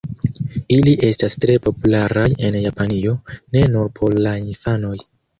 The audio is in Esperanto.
Ili estas tre popularaj en Japanio, ne nur por la infanoj.